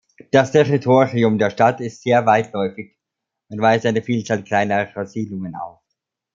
Das Territorium der Stadt ist sehr weitläufig und weist eine Vielzahl kleinerer Siedlungen auf.